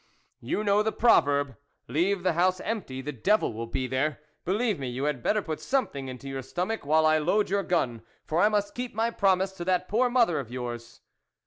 " You know the proverb :' Leave the house empty ; the devil will be there.' Believe me, you had better put something into your stomach, while I load your gun, for I must keep my promise to that poor mother of yours."